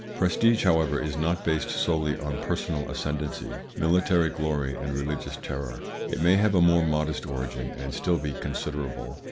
Prestige, however, is not based solely on personal ascendency, military glory, and religious terror; it may have a more modest origin and still be considerable.